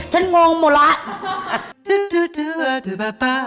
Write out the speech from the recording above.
งงหมดแล้ว